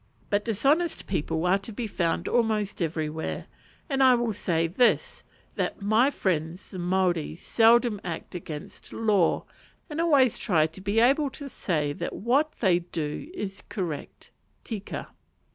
But dishonest people are to be found almost everywhere; and I will say this, that my friends the Maoris seldom act against law, and always try to be able to say that what they do is "correct" (tika).